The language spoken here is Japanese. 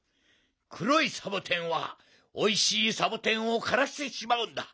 くろいサボテンはおいしいサボテンをからしてしまうんだ。